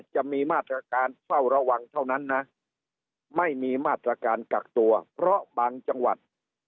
จะมีมาตรการเฝ้าระวังเท่านั้นนะไม่มีมาตรการกักตัวเพราะบางจังหวัด